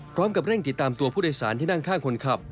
พร้อมกับเร่งติดตามตัวผู้โดยสารที่นั่งข้างคนขับ